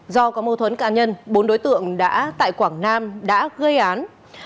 do có mâu thuẫn cá nhân bốn đối tượng đã tại quảng nam đã gây án